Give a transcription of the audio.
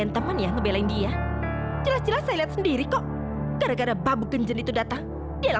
sampai jumpa di video selanjutnya